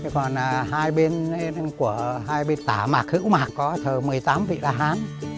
còn hai bên của hai bên tả mạc hữu mạc có thờ mười tám vị la hán